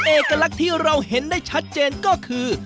เอกลักษณ์ที่เราเห็นได้ชัดเจนก็คือ